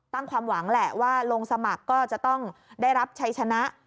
ความหวังแหละว่าลงสมัครก็จะต้องได้รับชัยชนะ